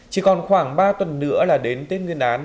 chỉ còn khoảng ba tuần nữa là đến tết nguyên đán